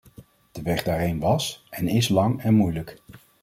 De weg daarheen was en is lang en moeilijk.